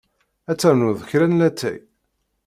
Ad ternuḍ kra n lattay?